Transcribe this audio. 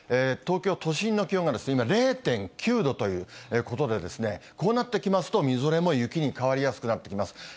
東京都心の気温が今、０．９度ということで、こうなってきますと、みぞれも雪に変わりやすくなってきます。